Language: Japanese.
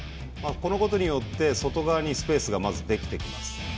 このことによって外側にスペースができてきます。